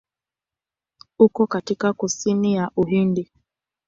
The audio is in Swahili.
Uko katika kusini ya Uhindi.